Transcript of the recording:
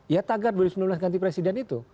ya tagar dua ribu sembilan belas ganti presiden itu